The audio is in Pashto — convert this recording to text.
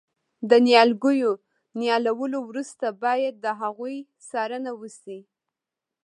د نیالګیو نیالولو وروسته باید د هغوی څارنه وشي.